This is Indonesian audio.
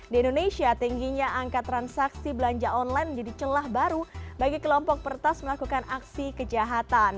di indonesia tingginya angka transaksi belanja online menjadi celah baru bagi kelompok pertas melakukan aksi kejahatan